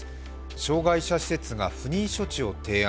障害者施設が不妊処置を提案。